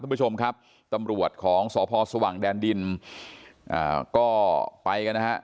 คุณผู้ชมครับตำรวจของสพสว่างแดนดินอ่าก็ไปกันนะฮะ